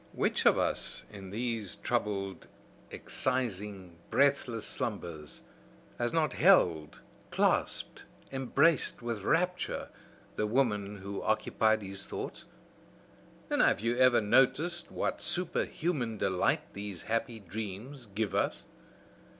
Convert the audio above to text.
"Which of us in these troubled, excising, breathless slumbers, has not held, clasped, embraced with rapture, the woman who occupied his thoughts? And have you ever noticed what superhuman delight these happy dreams give us?